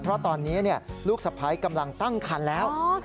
เพราะตอนนี้ลูกสะพ้ายกำลังตั้งคันแล้ว